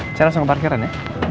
saya langsung ke parkiran ya